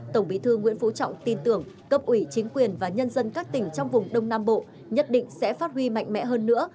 tổng bí thư nguyễn phú trọng tin tưởng cấp ủy chính quyền và nhân dân các tỉnh trong vùng đông nam bộ nhất định sẽ phát huy mạnh mẽ hơn nữa